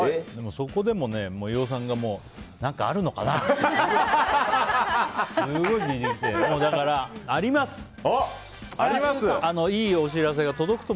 そこでも飯尾さんが何かあるのかな？ってすごい聞いてきて。